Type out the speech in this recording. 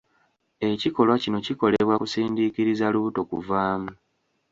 Ekikolwa kino kikolebwa kusindiikiriza lubuto kuvaamu